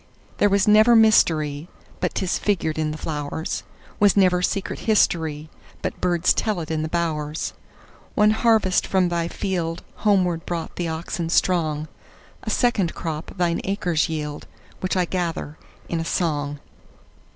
There was never mysteryBut 'tis figured in the flowers; SWas never secret historyBut birds tell it in the bowers. One harvest from thy fieldHomeward brought the oxen strong;A second crop thine acres yield, Which I gather in a song.